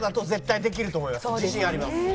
自信あります。